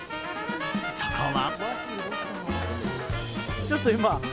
そこは。